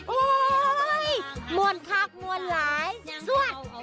อุ๊ยมวนคาดมวนร้ายสวัสดิ์